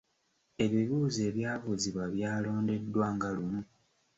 Ebibuuzo ebyabuuzibwa byalondeddwa nga lumu.